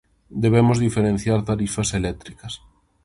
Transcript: Debemos diferenciar tarifas eléctricas.